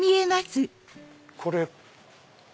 これ。